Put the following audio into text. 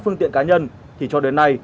phương tiện cá nhân thì cho đến nay